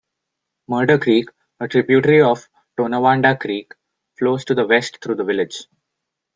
Murder Creek, a tributary of Tonawanda Creek, flows to the west through the village.